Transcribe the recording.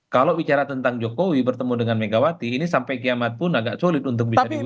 kalau bicara tentang jokowi bertemu dengan megawati ini sampai kiamat pun agak sulit untuk bisa dibuka